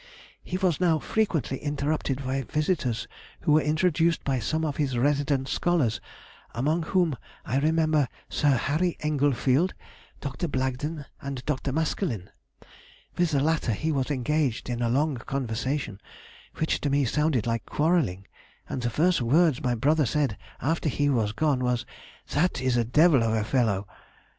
"He was now frequently interrupted by visitors who were introduced by some of his resident scholars, among whom I remember Sir Harry Engelfield, Dr. Blagden, and Dr. Maskelyne. With the latter he was engaged in a long conversation, which to me sounded like quarrelling, and the first words my brother said after he was gone was: 'That is a devil of a fellow.